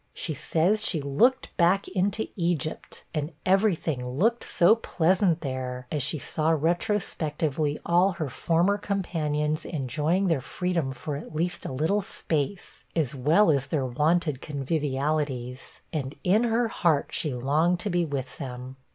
She says she 'looked back into Egypt,' and every thing looked 'so pleasant there,' as she saw retrospectively all her former companions enjoying their freedom for at least a little space, as well as their wonted convivialities, and in her heart she longed to be with them.